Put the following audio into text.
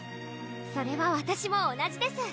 それはわたしも同じです